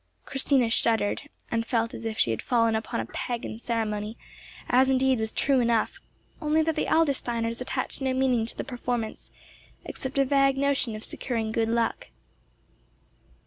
Christina shuddered, and felt as if she had fallen upon a Pagan ceremony; as indeed was true enough, only that the Adlersteiners attached no meaning to the performance, except a vague notion of securing good luck.